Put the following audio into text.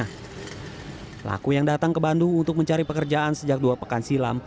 pelaku yang datang ke bandung untuk mencari pekerjaan sejak dua pekan silam